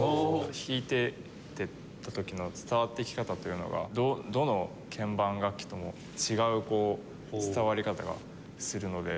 弾いていった時の伝わっていき方というのがどの鍵盤楽器とも違う伝わり方がするので。